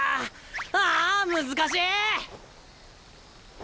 ああ難しい！